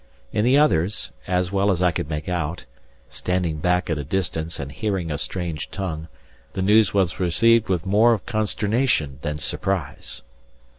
In the others, as well as I could make out (standing back at a distance and hearing a strange tongue), the news was received with more of consternation than surprise.